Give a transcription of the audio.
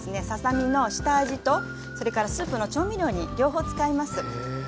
ささ身の下味とそれからスープの調味料に両方使います。